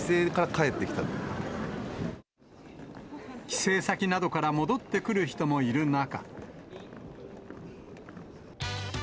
帰省先などから戻ってくる人もいる中。